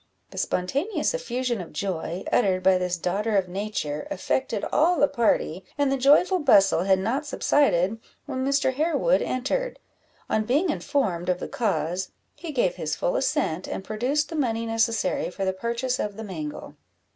The spontaneous effusion of joy, uttered by this daughter of nature, affected all the party, and the joyful bustle had not subsided when Mr. Harewood entered. On being informed of the cause, he gave his full assent, and produced the money necessary for the purchase of the mangle.